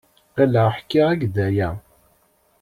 Ɣileɣ ḥkiɣ-ak-d aya.